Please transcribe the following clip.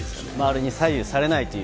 周りに左右されない。